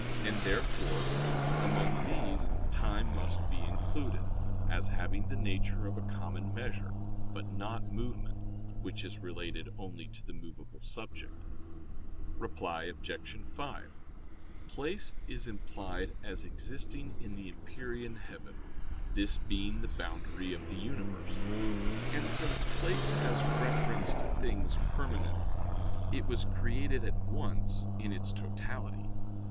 And, therefore, among these time must be included, as having the nature of a common measure; but not movement, which is related only to the movable subject. Reply Obj. 5: Place is implied as existing in the empyrean heaven, this being the boundary of the universe. And since place has reference to things permanent, it was created at once in its totality.